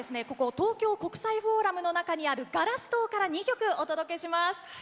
ここ東京国際フォーラムの中にあるガラス棟から２曲お届けします。